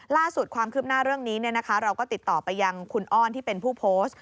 ล่าสุดความคืบหน้าเรื่องนี้เราก็ติดต่อไปยังคุณอ้อนที่เป็นผู้โพสต์